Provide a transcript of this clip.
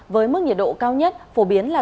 với mức nhiệt độ cao nhất phổ biến là